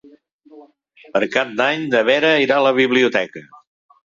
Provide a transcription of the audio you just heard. Per Cap d'Any na Vera irà a la biblioteca.